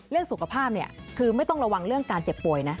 เรื่องสุขภาพเนี่ยคือไม่ต้องระวังเรื่องการเจ็บป่วยนะ